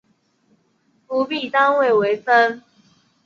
辅币单位为分。